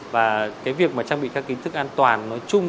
và việc trang bị các kỹ thức an toàn nói chung